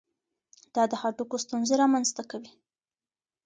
دا د هډوکو ستونزې رامنځته کوي.